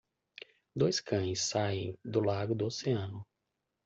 Dois cães saem do lago do oceano.